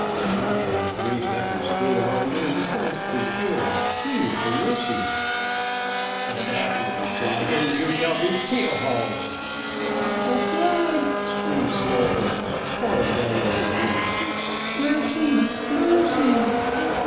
Smallbones raised up his thin arms, and clasped his hands, pleading for mercy. "And after the flogging you shall be keel hauled." "O God!" screamed Smallbones, falling down on his knees, "mercy mercy!"